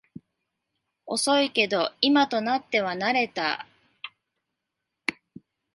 遅いけど今となっては慣れた